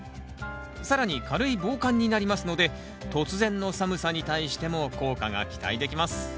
更に軽い防寒になりますので突然の寒さに対しても効果が期待できます